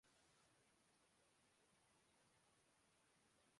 کو اردو میں نبات خانے کا اثر